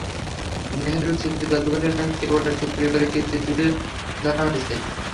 নেহরু স্মৃতি জাদুঘরে নাকি কেবল একটি পরিবারের কীর্তি তুলে ধরা হয়েছে।